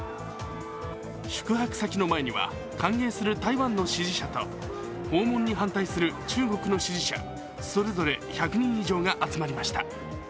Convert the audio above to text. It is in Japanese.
宿泊先の前には歓迎する台湾の支持者と訪問に反対する中国の支持者それぞれ１００人以上が集まりました